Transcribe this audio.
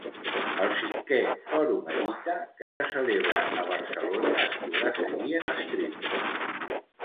El cinquè Forum Edita, que se celebra a Barcelona, es podrà seguir en streaming.